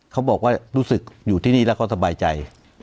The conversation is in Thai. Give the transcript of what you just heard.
เขาบอกว่ารู้สึกอยู่ที่นี่แล้วเขาสบายใจ